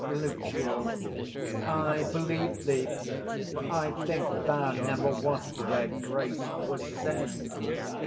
Lucio. I believe thee; for I think thou never wast where grace was said.